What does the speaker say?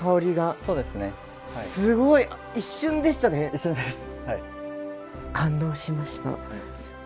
一瞬です。